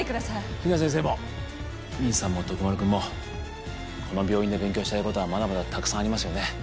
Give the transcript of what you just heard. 比奈先生もミンさんも徳丸君もこの病院で勉強したいことはまだまだたくさんありますよね？